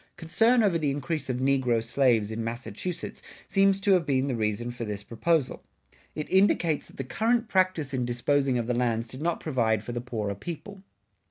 [60:2] Concern over the increase of negro slaves in Massachusetts seems to have been the reason for this proposal. It indicates that the current practice in disposing of the lands did not provide for the poorer people.